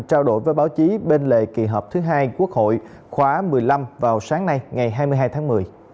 trao đổi với báo chí bên lề kỳ họp thứ hai quốc hội khóa một mươi năm vào sáng nay ngày hai mươi hai tháng một mươi